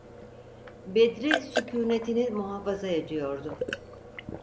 Bedri sükûnetini muhafaza ediyordu.